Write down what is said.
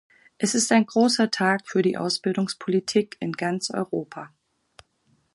Es ist ein großer Tag für die Ausbildungspolitik in ganz Europa.